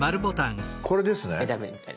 これですね。